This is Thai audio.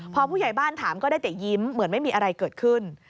พอผู้ใหญ่บ้านถามก็ได้แต่ยิ้มเหมือนไม่มีอะไรเกิดขึ้น